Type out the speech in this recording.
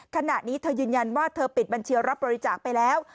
ขณะนี้เธอยืนยันว่าเธอปิดบัญชีรับบริจาคไปแล้ว